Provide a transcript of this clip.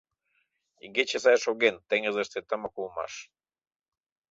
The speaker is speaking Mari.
Игече сай шоген, теҥызыште тымык улмаш.